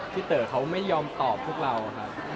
พี่เต๋อเค้าไม่ยอมตอบพวกเราค่ะ